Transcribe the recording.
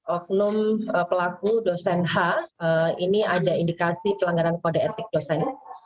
oknum pelaku dosen h ini ada indikasi pelanggaran kode etik dosen